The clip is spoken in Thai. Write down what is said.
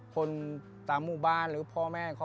คนตามหมู่บ้านหรือพ่อแม่ครอบครัว